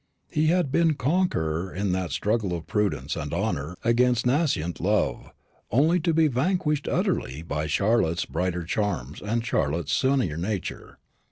He had been conqueror in that struggle of prudence and honour against nascent love, only to be vanquished utterly by Charlotte's brighter charms and Charlotte's sunnier nature.